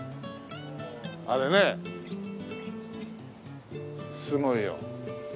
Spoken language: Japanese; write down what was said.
あれねすごいよ。